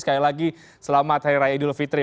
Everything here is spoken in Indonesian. sekali lagi selamat hari raya idul fitri